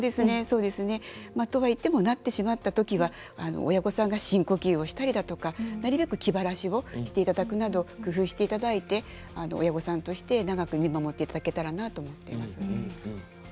とはいってもなってしまったときは親御さんが深呼吸をしたりだとかなるべく気晴らしをしていただくなど工夫していただいて親御さんとして長く見守っていただけたらなと思っています。